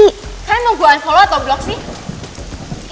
kan mau gue unfollow atau block sih